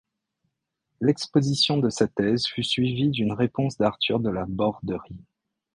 L'exposition de sa thèse fut suivie d'une réponse d'Arthur de La Borderie.